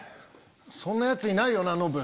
そんなヤツいないよなノブ。